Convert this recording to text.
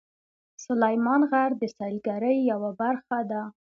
سلیمان غر د سیلګرۍ یوه برخه ده.